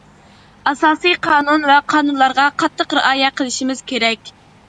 ئاساسىي قانۇن ۋە قانۇنلارغا قاتتىق رىئايە قىلىشىمىز كېرەك.